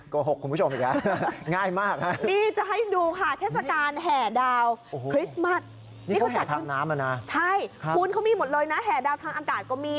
คุณเขามีหมดเลยนะแห่ดาวทางอากาศก็มี